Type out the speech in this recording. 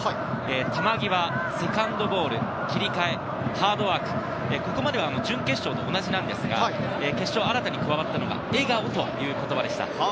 球際、セカンドボール、切り替え、ハードワーク、ここまでは準決勝と同じなんですが、決勝で新たに加わったのが笑顔という言葉でした。